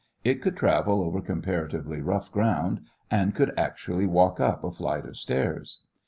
It could travel over comparatively rough ground, and could actually walk up a flight of stairs.